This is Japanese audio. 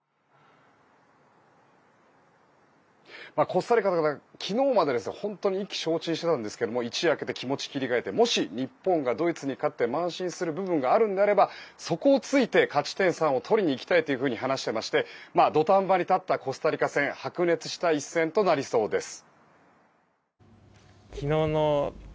コスタリカは昨日まで本当に意気消沈していたんですが一夜明けて気持ちを切り替えてもし日本がドイツに勝って慢心する部分があるのであればそこを突いて勝ち点３を取りに行きたいと話していまして土壇場に立ったコスタリカ戦白熱した一戦となりそうです。